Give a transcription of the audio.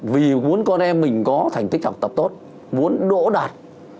vì muốn con em mình có thành tích học tập tốt muốn đỗ đạt